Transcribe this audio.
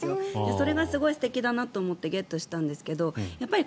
それがすごい素敵だなと思ってゲットしたんですけど